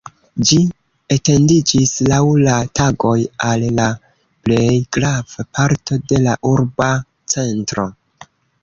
Ĝi etendiĝis, laŭ la tagoj, al la plej grava parto de la urba centro.